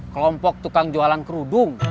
kelompok tukang jualan kerudung